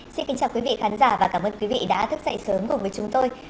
xin kính chào quý vị khán giả và cảm ơn quý vị đã thức dậy sớm cùng với chúng tôi